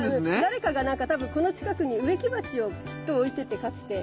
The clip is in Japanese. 誰かがなんか多分この近くに植木鉢をきっと置いててかつて。は。